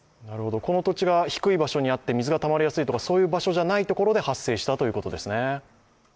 この土地が低い場所にあって水がたまりやすいとか、そういう場所じゃないところで発生したということですね？